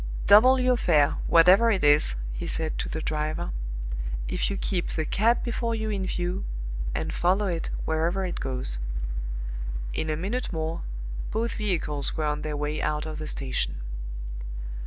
"Double your fare, whatever it is," he said to the driver, "if you keep the cab before you in view, and follow it wherever it goes." In a minute more both vehicles were on their way out of the station.